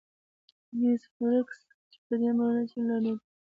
میس فرګوسن: 'pan encore' چې په دې مانا چې لا نه دي.